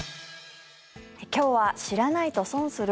今日は知らないと損する？